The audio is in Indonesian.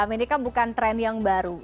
ini kan bukan tren yang baru